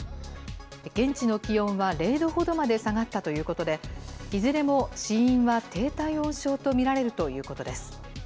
現地の気温は０度ほどまで下がったということで、いずれも死因は低体温症と見られるということです。